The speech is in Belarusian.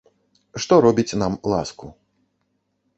Што робіць нам ласку.